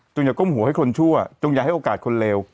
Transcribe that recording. อย่าก้มหัวให้คนชั่วจงอย่าให้โอกาสคนเลว